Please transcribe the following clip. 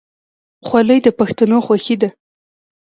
خولۍ د پښتنو خوښي ده.